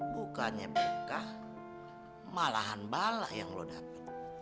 bukannya berungkah malahan bala yang lo dapet